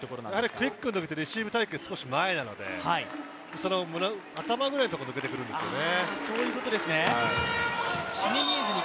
クイックのとき、レシーブ隊形、少し前なので頭ぐらいのところを抜けてくるんですよね。